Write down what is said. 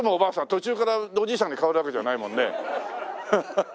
途中からおじいさんに変わるわけじゃないもんね。